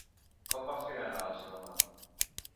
Com va fer anar la seva mà?